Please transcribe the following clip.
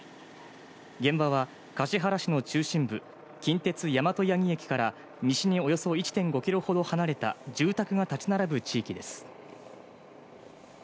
現場は橿原市の中心部、近鉄大和八木駅から西におよそ１．５キロほど離れた住宅が立ち並ぶ地域です。